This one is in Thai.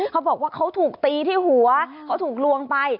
เขาบอกว่าเขาถูกตีที่หัวเขาถูกลวงไป